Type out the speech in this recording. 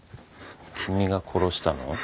君が殺したの？